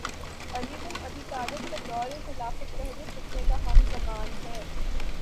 علی بن ابی طالب کا دور خلافت پہلے فتنے کا ہم زمان ہے